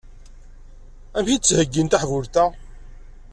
Amek i d-ttheyyin taḥbult-a?